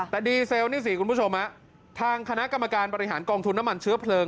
แต่ดีเซลนี่สิคุณผู้ชมทางคณะกรรมการบริหารกองทุนน้ำมันเชื้อเพลิง